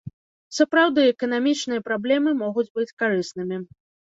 Сапраўды, эканамічныя праблемы могуць быць карыснымі.